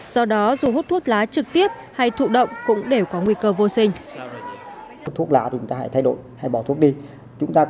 do đó dù hút thuốc lá trực tiếp hay thụ động cũng đều có nguy cơ vô sinh